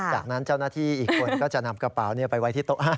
จากนั้นเจ้าหน้าที่อีกคนก็จะนำกระเป๋าไปไว้ที่โต๊ะ๕